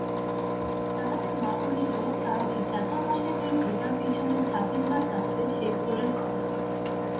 তাহাদের মা বলিল, তাহদের জেঠামশায়দের ভিটার পিছনে ছাতিমগাছ আছে, সেই ফুলের গন্ধ।